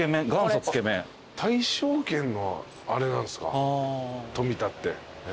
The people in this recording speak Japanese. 大勝軒のあれなんすか。とみ田って。